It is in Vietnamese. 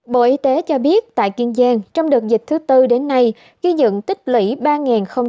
bộ y tế cho biết tại kiên giang trong đợt dịch thứ tư đến nay ghi dựng tích lỷ ba ba mươi bốn ca mắc hai mươi năm ca tử vong